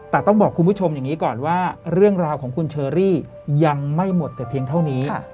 แต่ต้องบอกคุณผู้ชมอย่างนี้ก่อนว่าเรื่องราวของคุณเชอรี่ยังไม่หมดแต่เพียงเท่านี้